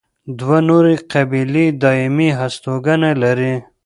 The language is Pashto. دوه نورې قبیلې دایمي هستوګنه لري.